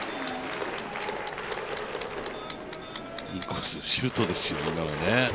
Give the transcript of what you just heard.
インコース、シュートですよ